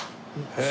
へえ。